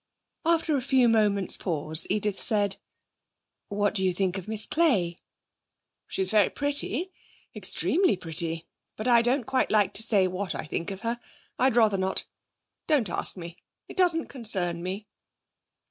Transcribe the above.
After a few moment's pause, Edith said: 'What do you think of Miss Clay?' 'She's very pretty extremely pretty. But I don't quite like to say what I think of her. I'd rather not. Don't ask me. It doesn't concern me.'